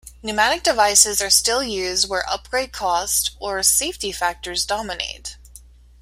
Pneumatic devices are still used where upgrade cost, or safety factors dominate.